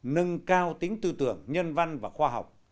nâng cao tính tư tưởng nhân văn và khoa học